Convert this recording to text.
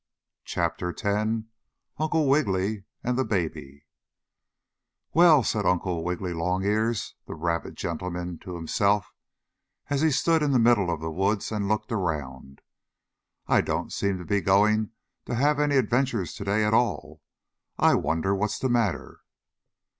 CHAPTER X UNCLE WIGGILY AND THE BABY "Well," said Uncle Wiggily Longears, the rabbit gentleman, to himself, as he stood in the middle of the woods and looked around. "I don't seem to be going to have any adventures today at all. I wonder what's the matter?"